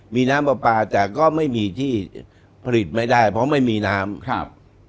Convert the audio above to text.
มีน้ำปลาปลาแต่ก็ไม่มีที่ผลิตไม่ได้เพราะไม่มีน้ำครับ